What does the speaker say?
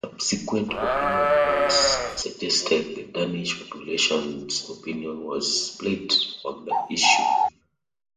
Subsequent opinion polls suggested the Danish population's opinion was split on the issue.